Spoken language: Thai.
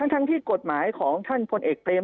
ทั้งที่กฎหมายของท่านพลเอกเปรม